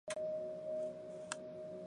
胡桃是幼虫的寄主植物。